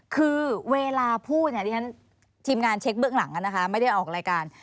คือเวลาพูดเนี่ยที่ทีมงานเช็คเบื้องหลังนะคะไม่ได้ออกรายการ